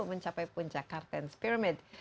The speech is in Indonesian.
mencapai puncak kartens pyramid